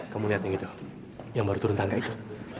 kamu lihat yang itu yang baru turun tangga itu